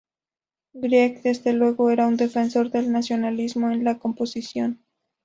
Grieg, desde luego, era un defensor del nacionalismo en la composición.